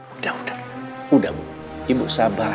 udah udah udah bu ibu sabar sabar